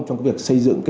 trong việc xây dựng